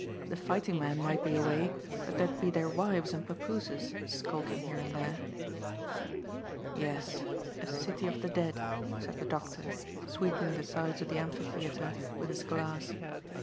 The fighting men might be away, but there'd be their wives and papooses skulking here and there." "Yes; a city of the dead," said the doctor, sweeping the sides of the amphitheatre with his glass.